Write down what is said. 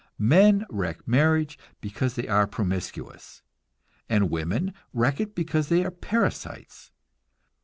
Men wreck marriage because they are promiscuous; and women wreck it because they are parasites.